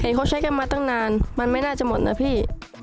เห็นเขาใช้แก่มัดตั้งนานมันไม่น่าจะหมดนะพี่